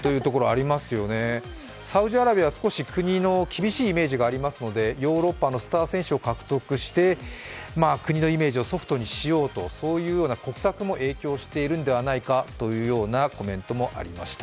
サウジアラビア、少し国の厳しいイメージがありますので、ヨーロッパのスター選手を獲得して国のイメージをソフトにしようとそういうような国策も影響しているんじゃないかというコメントもありました。